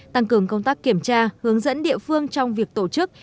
tăng cường công tác kiểm tra hướng dẫn địa phương trong việc tổ chức